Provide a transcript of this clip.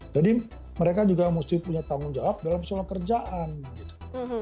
jadi mereka juga mesti punya tanggung jawab dalam soal kerjaan gitu